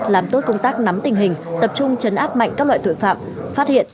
làm tốt công tác nắm tình hình tập trung chấn áp mạnh các loại tội phạm phát hiện